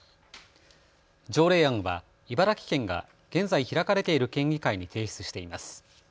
条例案は茨城県が現在開かれている県議会に提出しています。